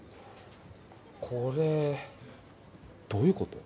これどういうこと？